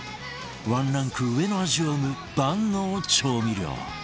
ワンランク上の味を生む万能調味料